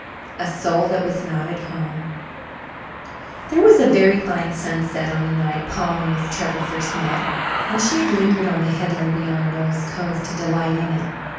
A Soul That Was Not at Home There was a very fine sunset on the night Paul and Miss Trevor first met, and she had lingered on the headland beyond Noel's Cove to delight in it.